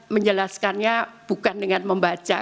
menjelaskannya bukan dengan membaca